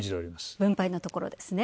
分配のところですね。